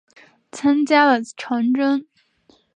参加了长征。